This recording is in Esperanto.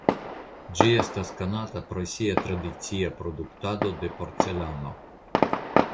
Ĝi estas konata pro sia tradicia produktado de porcelano.